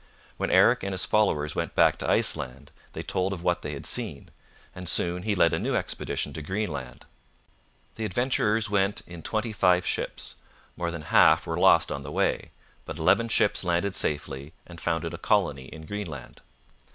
When Eric and his followers went back to Iceland they told of what they had seen, and soon he led a new expedition to Greenland. The adventurers went in twenty five ships; more than half were lost on the way, but eleven ships landed safely and founded a colony in Greenland.